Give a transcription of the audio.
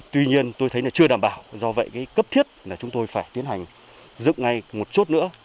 tuy nhiên tôi thấy chưa đảm bảo do vậy cấp thiết chúng tôi phải tiến hành dựng ngay một chốt nữa